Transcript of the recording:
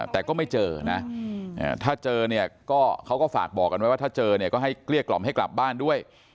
แต่ก็ไม่เจอนะถ้าเจอเนี่ยก็เขาก็ฝากบอกกันไว้ว่าถ้าเจอเนี่ยก็ให้เกลี้ยกล่อมให้กลับบ้านด้วย